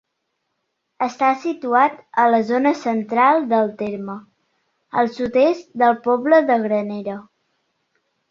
Està situat a la zona central del terme, al sud-est del poble de Granera.